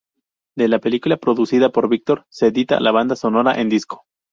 De la película, coproducida por Víctor, se edita la banda sonora en disco.